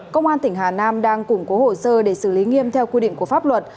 công an tỉnh hà nam đang củng cố hồ sơ để xử lý nghiêm theo quy định của pháp luật